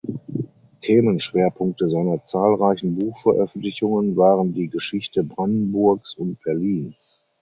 Themenschwerpunkte seiner zahlreichen Buchveröffentlichungen waren die Geschichte Brandenburgs und Berlins.